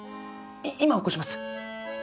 今起こします。